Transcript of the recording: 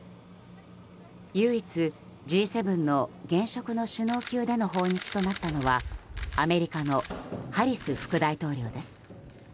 唯一、Ｇ７の現職の首脳級での訪日となったのはアメリカのハリス副大統領です。